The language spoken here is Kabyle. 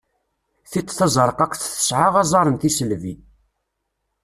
Tiṭ tazeṛqaqt tesɛa aẓar n tisselbi.